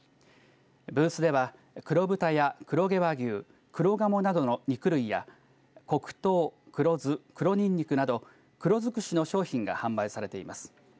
ブースでは黒豚や黒毛和牛黒ガモなどの肉類や黒糖、黒酢、黒ニンニクなど黒づくしの商品が販売されています。